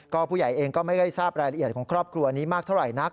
ผู้ใหญ่เองก็ไม่ได้ทราบรายละเอียดของครอบครัวนี้มากเท่าไหร่นัก